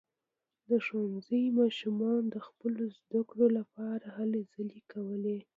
د ښوونځي ماشومانو د خپلو زده کړو لپاره هلې ځلې کولې.